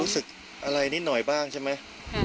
รู้สึกอะไรนิดหน่อยบ้างใช่ไหม